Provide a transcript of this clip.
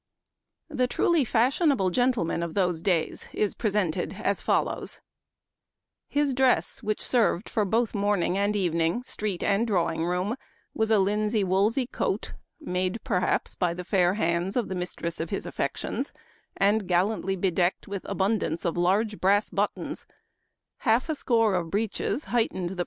The " truly fashionable gentleman " of those days is presented as follows :" His dress, which served for both morning and evening, street and drawing room, was a linsey woolsey coat, made perhaps by the fair hands of the mistress of his affections, and gal lantly bedecked with abundance of large brass buttons ; half a score of breeches heightened the i Memoir of Washington Irving.